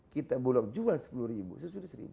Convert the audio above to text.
kita bulog jual rp sepuluh